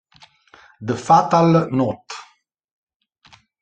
The Fatal Note